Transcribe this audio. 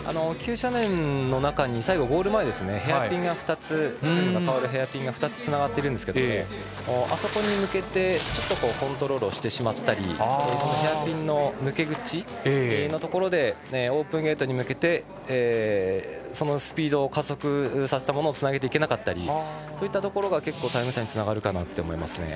急斜面の中に最後、ゴール前ヘアピンが２つつながっているんですがあそこに向けてコントロールをしてしまったりヘアピンの抜け口のところでオープンゲートに向けてスピードを加速させたものをつなげていけなかったりそういうところが結構、タイム差につながると思います。